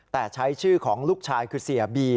แต่ใช้ชื่อของลูกชายคือเสียบี